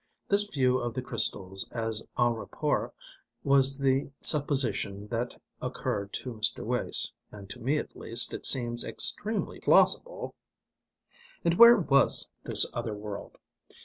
This view of the crystals as en rapport was the supposition that occurred to Mr. Wace, and to me at least it seems extremely plausible.... And where was this other world?